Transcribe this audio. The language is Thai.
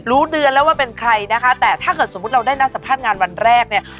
รู้เดือนแล้วว่าเป็นใครนะคะแต่ถ้าเกิดสมมุติเราได้นัดสัมภาษณ์งานวันแรกเนี่ย